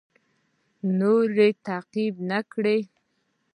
نور تعقیب نه کړ.